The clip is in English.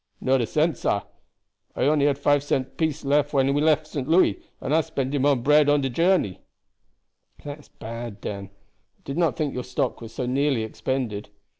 "Not a cent, sah. I had only a five cent piece left when we left St. Louis, and I spent him on bread on de journey." "That is bad, Dan. I did not think your stock was so nearly expended."